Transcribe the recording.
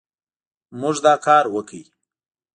موږ دا کار وکړ